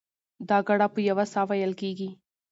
دا ګړه په یوه ساه وېل کېږي.